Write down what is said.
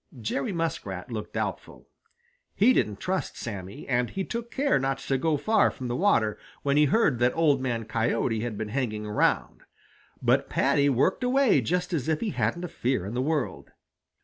Jerry Muskrat looked doubtful. He didn't trust Sammy, and he took care not to go far from the water when he heard that Old Man Coyote had been hanging around. But Paddy worked away just as if he hadn't a fear in the world.